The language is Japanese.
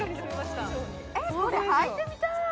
えっこれはいてみたい！